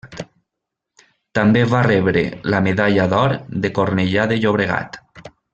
També va rebre la Medalla d'Or de Cornellà de Llobregat.